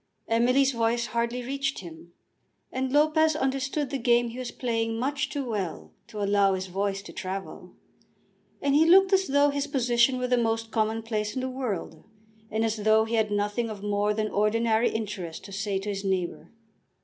Emily's voice hardly reached him, and Lopez understood the game he was playing much too well to allow his voice to travel. And he looked as though his position were the most commonplace in the world, and as though he had nothing of more than ordinary interest to say to his neighbour.